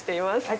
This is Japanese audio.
はい。